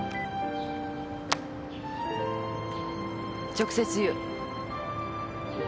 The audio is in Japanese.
直接言う。